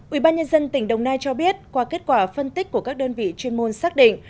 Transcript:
ubnd tỉnh đồng nai cho biết qua kết quả phân tích của các đơn vị chuyên môn xác định